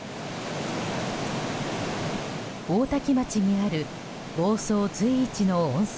大多喜町にある房総随一の温泉